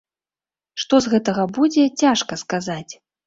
Што з гэтага будзе, цяжка сказаць.